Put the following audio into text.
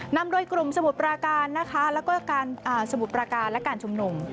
นำโดยกลุ่มสมุดประการและการชุมหนุ่ม